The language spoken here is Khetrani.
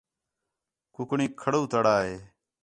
کُکڑیک کھڑ وتڑا ہے